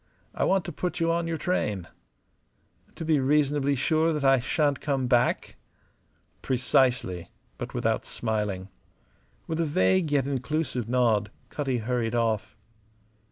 I want to put you on your train." "To be reasonably sure that I shan't come back?" "Precisely" but without smiling. With a vague yet inclusive nod Cutty hurried off.